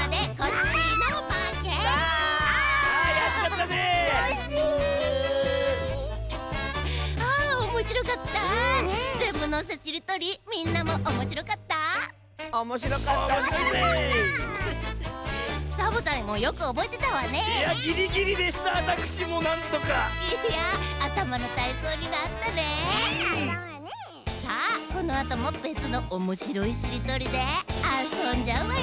このあともべつのおもしろいしりとりであそんじゃうわよ。